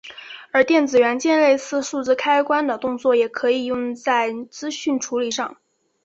而电子元件类似数字开关的动作也可以用在资讯处理上。